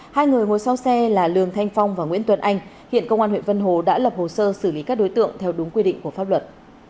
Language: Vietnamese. hai người ngồi sau xe là lường thanh phong và nguyễn tuấn anh hiện công an huyện vân hồ đã lập hồ sơ xử lý các đối tượng theo đúng quy định của pháp luật